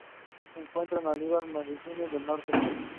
The local civil rights leader Rev.